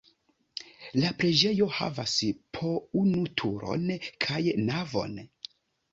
La preĝejo havas po unu turon kaj navon.